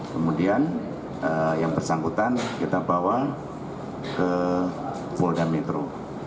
kemudian yang bersangkutan kita bawa ke polda metro